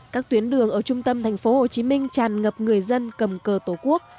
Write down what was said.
các tuyến đường ở trung tâm thành phố hồ chí minh tràn ngập người dân cầm cờ tổ quốc